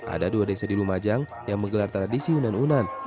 ada dua desa di lumajang yang menggelar tradisi unan unan